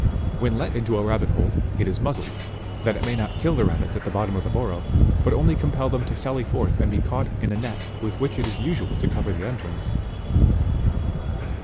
When let into a rabbit hole, it is muzzled, that it may not kill the rabbits at the bottom of the burrow, but only compel them to sally forth and be caught in a net with which it is usual to cover the entrance.